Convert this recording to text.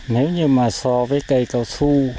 nếu như mà so với cây cầu sông